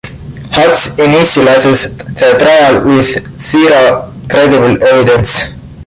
Hutz initiates the trial with zero credible evidence.